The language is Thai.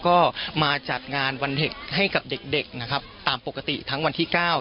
ก็มาจัดงานวันเด็กให้กับเด็กนะครับตามปกติทั้งวันที่๙